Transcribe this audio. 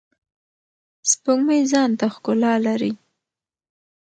سپوږمۍ ځانته ښکلا لری.